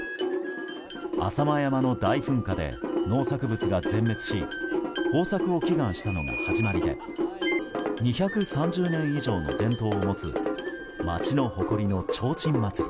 浅間山の大噴火で農作物が全滅し豊作を祈願したのが始まりで２３０年以上の伝統を持つ街の誇りの提燈祭り。